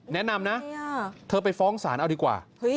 แนะนำนะเธอไปฟ้องศาลเอาดีกว่า